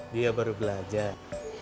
dia baru belajar